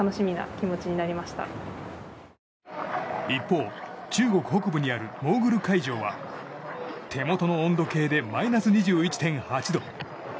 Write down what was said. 一方、中国北部にあるモーグル会場は手元の温度計でマイナス２１．８度。